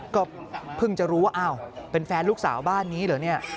ก็เพิ่งจะรู้ว่าเป็นแฟนลูกสาวบ้านนี้หรอ